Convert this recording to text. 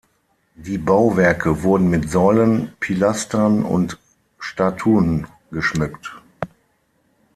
Die Bauwerke wurden mit Säulen, Pilastern und Statuen geschmückt.